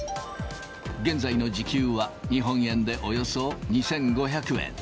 現在の時給は日本円でおよそ２５００円。